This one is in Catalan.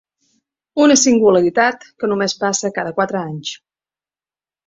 Una singularitat que només passa cada quatre anys.